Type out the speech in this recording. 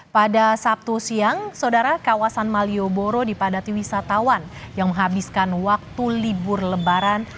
pada sabtu siang saudara kawasan malioboro dipadati wisatawan yang menghabiskan waktu libur lebaran